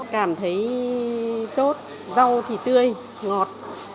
cảm thấy tốt rau thì tươi ngọt